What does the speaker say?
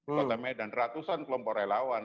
kota medan ratusan kelompok relawan